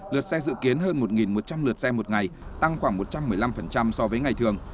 lượt xe dự kiến hơn một một trăm linh lượt xe một ngày tăng khoảng một trăm một mươi năm so với ngày thường